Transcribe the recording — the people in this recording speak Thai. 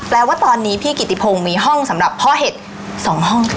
แปลว่าตอนนี้พี่กิติพงมีห้องสำหรับเพาะเห็ด๒ห้อง